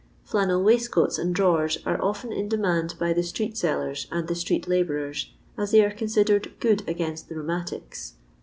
Flannel waistcoats and drawers are often in demand by the street sellers and the street^htbourers, as they are considered "good against the rheumatics.